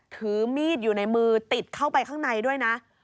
ถือมีดอยู่ในมือติดเข้าไปข้างในด้วยนะ